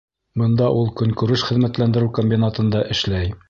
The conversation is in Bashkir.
Бында ул көнкүреш хеҙмәтләндереү комбинатында эшләй.